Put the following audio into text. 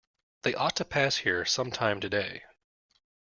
They ought to pass here some time today.